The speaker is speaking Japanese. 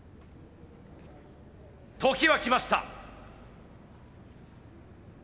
時はきました。